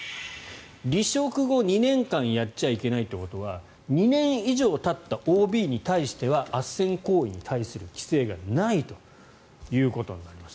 離職後２年間やっちゃいけないということは２年以上たったＯＢに対してはあっせん行為に対する規制がないということになります。